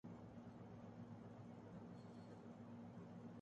ئمہ بیگ کو تبدیلی مہنگی پڑ گئی